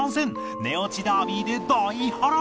寝落ちダービーで大波乱！